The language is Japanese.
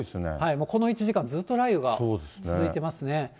もうこの１時間、ずっと雷雨が続いてますね。